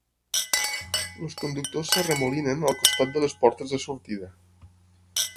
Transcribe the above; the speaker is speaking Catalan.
Els conductors s'arremolinen al costat de les portes de sortida.